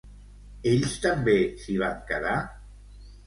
Ells també s'hi van quedar?